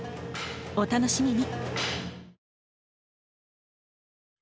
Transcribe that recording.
お楽しみに！